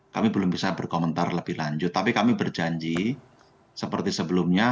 kami belum bisa berkomentar lebih lanjut tapi kami berjanji seperti sebelumnya